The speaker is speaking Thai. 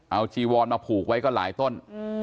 เอาจีวอนมาผูกไว้ก็หลายต้น